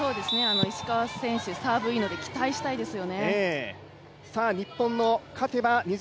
石川選手、サーブいいので、期待したいですよね。